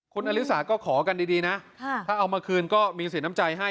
คุณอลิสาก็ขอกันดีนะถ้าเอามาคืนก็มีสินน้ำใจให้